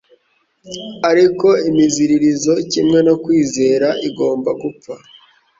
Ariko imiziririzo, kimwe no kwizera, igomba gupfa,